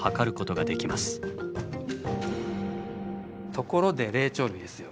ところで霊長類ですよ。